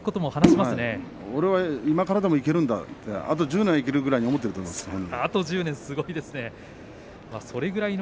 俺は今からでもいけるんだあと１０年いけるくらいに思っているんじゃないですか。